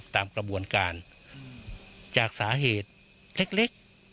ตามกระบวนการจากสาเหตุเล็ก